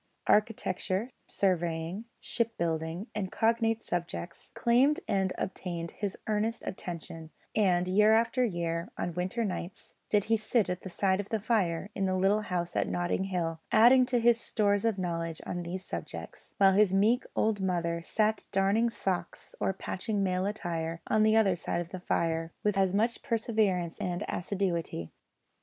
Architecture, surveying, shipbuilding, and cognate subjects, claimed and obtained his earnest attention; and year after year, on winter nights, did he sit at the side of the fire in the little house at Notting Hill, adding to his stores of knowledge on these subjects; while his meek old mother sat darning socks or patching male attire on the other side of the fire with full as much perseverance and assiduity.